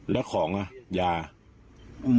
แล้วของอย่างไร